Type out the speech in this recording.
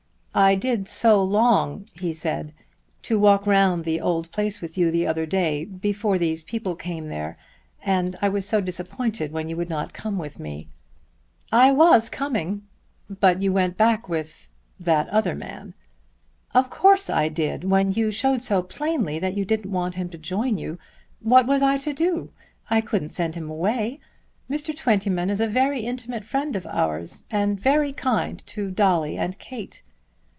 "I did so long," he said, "to walk round the old place with you the other day before these people came there, and I was so disappointed when you would not come with me." "I was coming." "But you went back with that other man." "Of course I did when you showed so plainly that you didn't want him to join you. What was I to do? I couldn't send him away. Mr. Twentyman is a very intimate friend of ours, and very kind to Dolly and Kate."